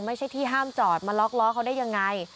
ไม่ใช่ที่ห้ามจอดมาล็อกล้อเขาได้ยังไง